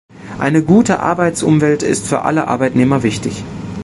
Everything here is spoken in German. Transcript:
Eine gute Arbeitsumwelt ist für alle Arbeitnehmer wichtig.